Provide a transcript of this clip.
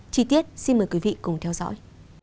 chi tiết xin mời quý vị cùng theo dõi